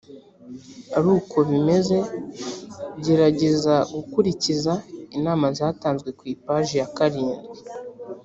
ari uko bimeze gerageza gukurikiza inama zatanzwe ku ipaji ya karindwi